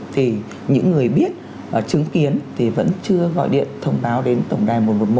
thì những người biết chứng kiến thì vẫn chưa gọi điện thông báo đến tổng đài một trăm một mươi một